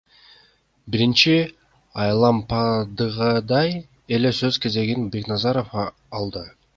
Биринчи айлампадагыдай эле сөз кезегин Бекназаров алды.